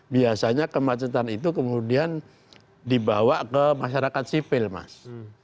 biasanya kemacetan itu kemudian dibawa ke masyarakat sipil mas